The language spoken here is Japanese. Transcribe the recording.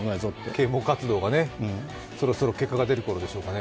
啓蒙活動が、そろそろ結果が出るころでしょうか。